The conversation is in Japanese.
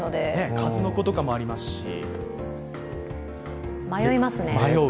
数の子とかもありますし、迷う。